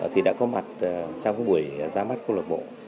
thì đã có mặt trong các buổi ra mắt câu lạc bộ